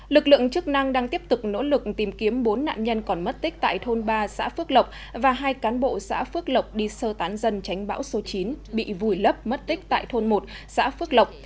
lực lượng chức năng đang tiếp tục nỗ lực tìm kiếm bốn nạn nhân còn mất tích tại thôn ba xã phước lộc và hai cán bộ xã phước lộc đi sơ tán dân tránh bão số chín bị vùi lấp mất tích tại thôn một xã phước lộc